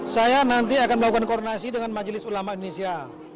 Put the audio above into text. saya nanti akan melakukan koordinasi dengan majelis ulama indonesia